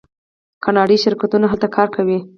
کاناډایی شرکتونه هلته کار کوي.